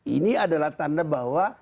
ini adalah tanda bahwa